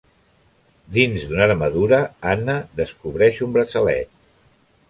Dins d'una armadura, Anna descobreix un braçalet.